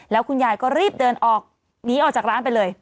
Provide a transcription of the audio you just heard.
แล้วคุณยายก็รีบเดินออกหนีออกจากร้านไปเลย